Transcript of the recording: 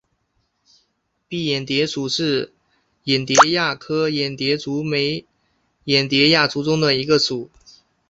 蔽眼蝶属是眼蝶亚科眼蝶族眉眼蝶亚族中的一个属。